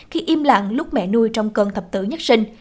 khi im lặng lúc mẹ nuôi trong cơn thập tử nhất sinh